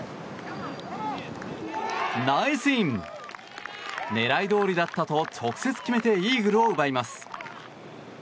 ナイスイン！狙いどおりだったと直接決めてイーグルを奪います。